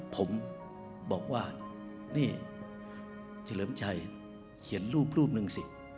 ผมบอกว่านี่เฉลิมชัยเขียนรูปรูปหนึ่งสิ